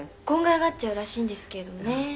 「こんがらがっちゃうらしいんですけどね」